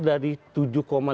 dari tujuh lima juta